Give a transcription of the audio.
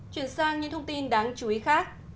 chuyển sang những thông tin đáng chú ý khác